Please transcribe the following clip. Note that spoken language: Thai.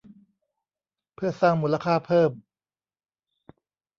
เพื่อสร้างมูลค่าเพิ่ม